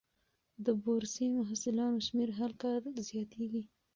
د بورسي محصلانو شمېر هر کال زیاتېږي.